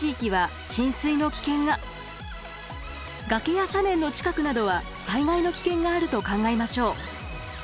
崖や斜面の近くなどは災害の危険があると考えましょう。